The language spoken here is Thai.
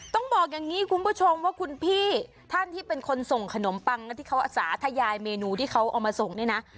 ต้องบอกอย่างนี้คุณผู้ชมว่าคุณพี่ท่านที่เป็นคนส่งขนมปังที่เขาอาสาทยายเมนูที่เขาเอามาส่งเนี่ยนะ